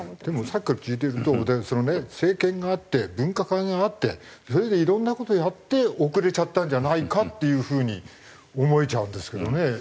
でもさっきから聞いてるとそのね政権があって分科会があってそれでいろんな事やって遅れちゃったんじゃないかっていう風に思えちゃうんですけどね